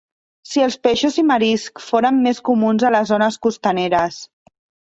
Si els peixos i mariscs foren més comuns a les zones costaneres.